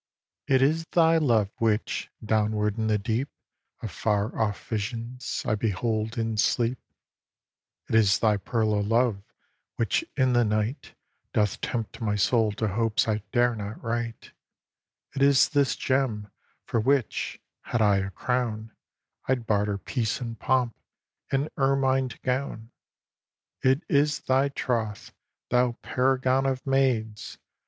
iii. It is thy love which, downward in the deep Of far off visions, I behold in sleep, It is thy pearl of love which in the night Doth tempt my soul to hopes I dare not write, It is this gem for which, had I a crown, I'd barter peace and pomp, and ermined gown; It is thy troth, thou paragon of maids!